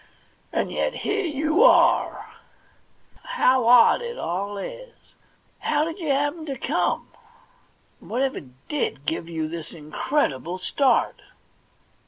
And yet here you are. How odd it all is ! How did you happen to come, and whatever did give you this incredible start